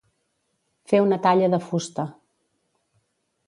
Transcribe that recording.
Fer una talla de fusta.